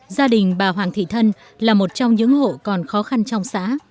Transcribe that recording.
gia đình bà hoàng thị thân là một trong những hộ còn khó khăn trong xã